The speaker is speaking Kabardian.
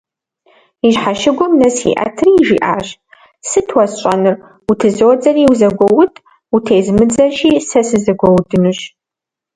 И щхьэщыгум нэс иӏэтри, жиӏащ: «Сыт уэсщӏэнур? Утызодзэри - узэгуоуд, утезмыдзэщи, сэ сызэгуэудынущ».